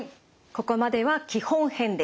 ここまでは基本編でした。